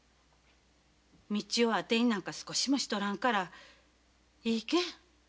道雄をアテになんか少しもしとらんからいいけ？